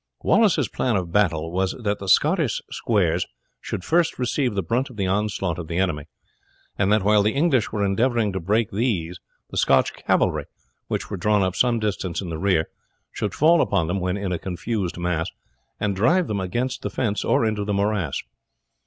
Wallace's plan of battle was that the Scottish squares should first receive the brunt of the onslaught of the enemy, and that while the English were endeavouring to break these the Scotch cavalry, which were drawn up some distance in the rear, should fall upon them when in a confused mass, and drive them against the fence or into the morass.